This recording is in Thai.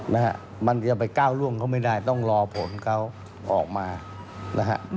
นะฮะมันจะไปก้าวร่วงเขาไม่ได้ต้องรอผลเขาออกมานะฮะ